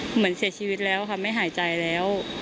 เหมือนเสียชีวิตแล้วค่ะไม่หายใจแล้ว